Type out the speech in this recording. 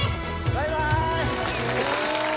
バイバイ！